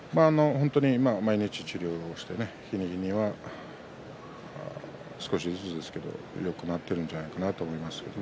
毎日、治療して少しずつですけれどもよくなっているんじゃないかなと思います。